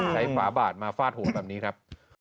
ฝาบาดมาฟาดหัวแบบนี้ครับ